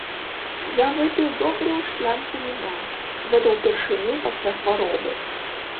Я выпіў добрую шклянку віна, гэта ўпершыню пасля хваробы.